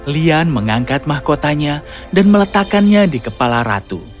lian mengangkat mahkotanya dan meletakkannya di kepala ratu